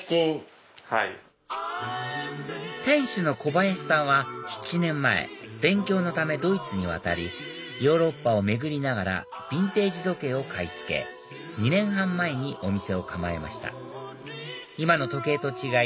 店主の小林さんは７年前勉強のためドイツに渡りヨーロッパを巡りながらビンテージ時計を買い付け２年半前にお店を構えました今の時計と違い